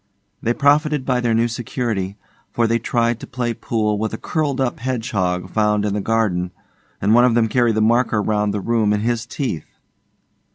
They profited by their new security, for they tried to play pool with a curled up hedgehog found in the garden, and one of them carried the marker round the room in his teeth.